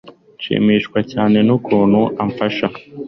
Nshimishwa cyane n'ukuntu amfasha